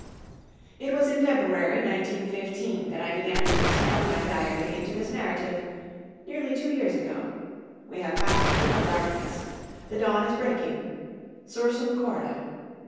It was in February, 1915, that I began to expand my diary into this narrative, nearly two years ago. We have passed through the darkness. The Dawn is breaking. Sursum corda.